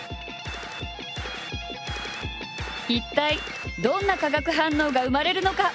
一体どんな化学反応が生まれるのか？